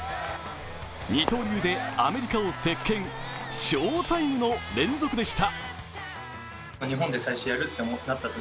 二刀流でアメリカを席けん、ショータイムの連続でした。